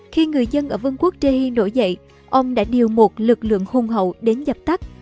khi người dân ở vương quốc chehi nổi dậy ông đã điều một lực lượng hùng hậu đến dập tắt